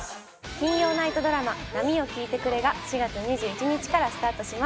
金曜ナイトドラマ『波よ聞いてくれ』が４月２１日からスタートします。